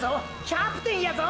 キャプテンやぞ！